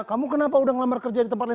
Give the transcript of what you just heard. kamu kenapa udah ngelamar kerja di tempat lain